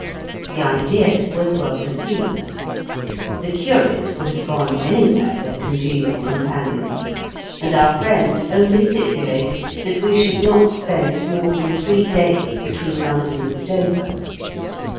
The idea was well received. The curate would have gone anywhere with congenial companions, and our friend only stipulated that we should not spend more than three days between London and Dover.